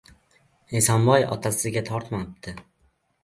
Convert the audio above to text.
— Esonboy otasiga tortmabdi…